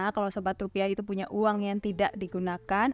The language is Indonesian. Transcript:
kalau sobat rupiah itu punya uang yang tidak digunakan